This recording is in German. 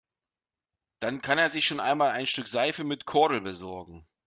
Dann kann er sich schon einmal ein Stück Seife mit Kordel besorgen.